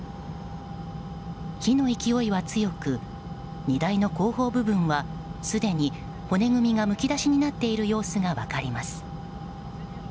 火の勢いは強く荷台の後方部分はすでに骨組みがむき出しになっている様子が分かります。